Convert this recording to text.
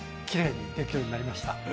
きれいにできるようになりました。